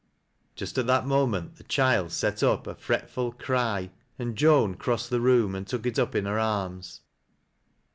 Jnst xt that moment the child set up a fretful cry and loan crossed the room and took it up in her arms.